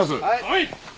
はい！